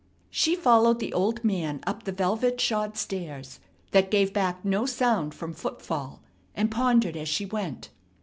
She followed the old man up the velvet shod stairs that gave back no sound from footfall, and pondered as she went.